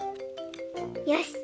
よし！